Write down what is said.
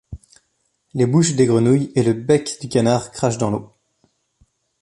Les bouches des grenouilles et le bec du canard crachent de l'eau.